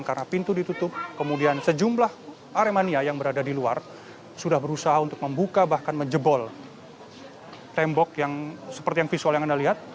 karena pintu ditutup kemudian sejumlah aremania yang berada di luar sudah berusaha untuk membuka bahkan menjebol tembok yang seperti yang visual yang anda lihat